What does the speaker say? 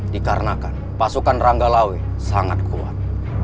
dikarenakan pasukan ranggalawe sangat kuat